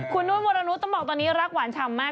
คุณนุ่นวรนุษย์ต้องบอกตอนนี้รักหวานฉ่ำมาก